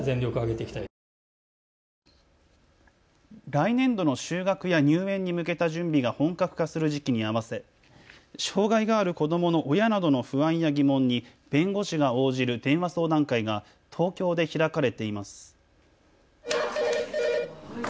来年度の就学や入園に向けた準備が本格化する時期に合わせ障害がある子どもの親などの不安や疑問に弁護士が応じる電話相談会が東京で開かれています。